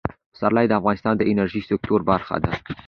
پسرلی د افغانستان د انرژۍ سکتور برخه ده.